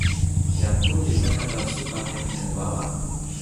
jan Tu li weka tan supa kepeken wawa.